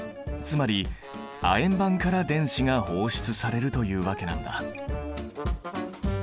つまり亜鉛板から電子が放出されるというわけなんだ。